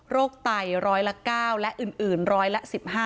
โรคไตรฯ๑๐๐ละ๙และอื่น๑๐๐ละ๑๕